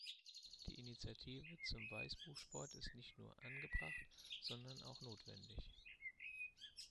Die Initiative zum Weißbuch Sport ist nicht nur angebracht, sondern auch notwendig.